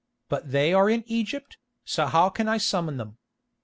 But they are in Egypt, so how can I summon them?